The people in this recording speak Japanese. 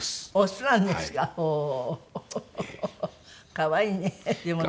可愛いねでもね。